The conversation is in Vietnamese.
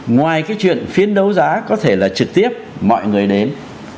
ngoài cái chuyện phiên đấu giá có thể là trực tiếp mọi người đến